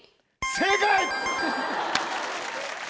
正解！